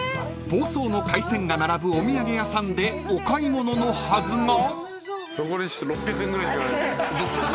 ［房総の海鮮が並ぶお土産屋さんでお買い物のはずが］